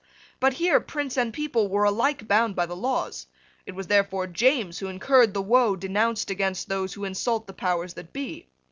But here prince and people were alike bound by the laws. It was therefore James who incurred the woe denounced against those who insult the powers that be.